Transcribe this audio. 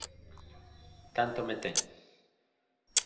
Tanto me ten.